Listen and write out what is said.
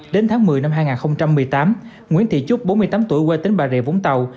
đến tháng một mươi năm hai nghìn một mươi tám nguyễn thị trúc bốn mươi tám tuổi quê tỉnh bà rịa vũng tàu